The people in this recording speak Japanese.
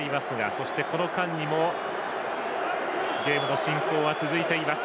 そしてこの間にもゲームは進行、続いています。